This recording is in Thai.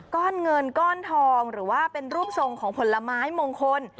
ก้อนเงินก้อนทองหรือว่าเป็นรูปทรงของผลไม้มงคล